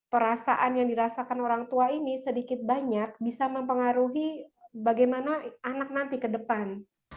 perasaan yang dirasakan orang tua ini sedikit banyak bisa mempengaruhi bagaimana anak nanti ke depan